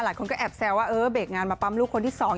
หลายคนก็แอบแซวว่าเออเบรกงานมาปั๊มลูกคนที่สอง